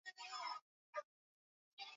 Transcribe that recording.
Lugala chini ya dola ya Choma